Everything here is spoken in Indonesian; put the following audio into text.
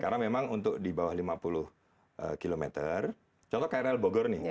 karena memang untuk di bawah lima puluh km contoh krl bogor nih